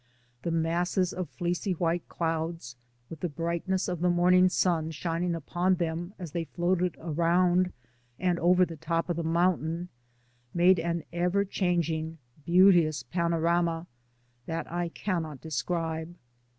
The masses of fleecy white clouds, with the brightness of the morning sun shining upon them as they floated around and over the top of the moun tain, made an ever changing, beauteous panorama that I cannot describe.